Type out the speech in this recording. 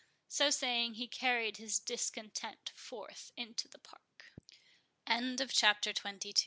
So saying, he carried his discontent forth into the Park. CHAPTER THE TWENTY THIRD.